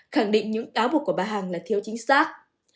khẳng định những cáo buộc của bà hằng là thiếu chính xác